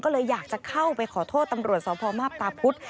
ก็เลยอยากจะเข้าไปขอโทษตำรวจสพมาพตาพุธ